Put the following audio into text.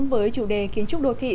với chủ đề kiến trúc đồ thị